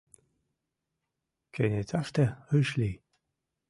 Кенеташте ыш лий.